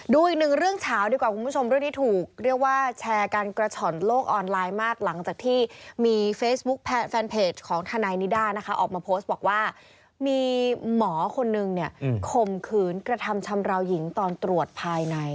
ดูอีกหนึ่งเรื่องเฉาดีกว่าคุณผู้ชมเรื่องนี้ถูกเรียกว่าแชร์กันกระฉ่อนโลกออนไลน์มากหลังจากที่มีเฟซบุ๊คแฟนเพจของทนายนิด้านะคะออกมาโพสต์บอกว่ามีหมอคนนึงเนี่ยข่มขืนกระทำชำราวหญิงตอนตรวจภายใน